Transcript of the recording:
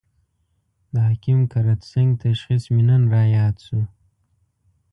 د حکیم کرت سېنګ تشخیص مې نن را ياد شو.